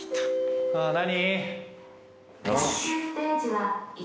何？